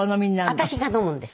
私が飲むんです。